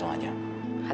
ya ampun ya naya